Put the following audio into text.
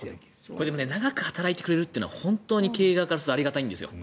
これ長く働いてくれるというのは本当に、経営側からするとありがたいんですよ。